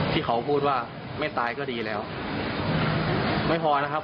ที่เขาพูดว่าไม่ตายก็ดีแล้วไม่พอนะครับ